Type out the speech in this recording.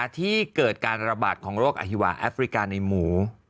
ที่เกิดการระบาดของโรคอฮิวะแอฟริกาในหมู